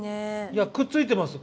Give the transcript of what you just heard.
いやくっついてます。